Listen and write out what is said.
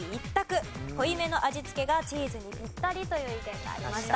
濃い目の味付けがチーズにピッタリという意見がありました。